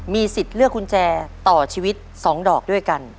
มีสิทธิ์เลือกกุญแจต่อชีวิต๒ดอกด้วยกัน